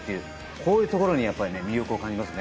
こういうところに魅力を感じますね。